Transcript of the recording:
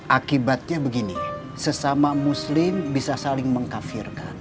akibatnya begini sesama muslim bisa saling mengkafirkan